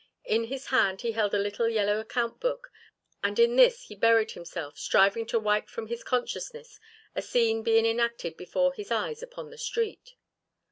In his hand he held the little yellow account book and in this he buried himself, striving to wipe from his consciousness a scene being enacted before his eyes upon the street.